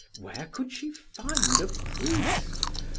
Where could she find a priest?